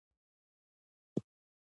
د دې سیمې اوسیدونکي دي.